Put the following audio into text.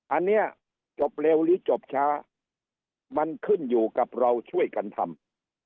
อันนี้จบเร็วหรือจบช้ามันขึ้นอยู่กับเราช่วยกันทำ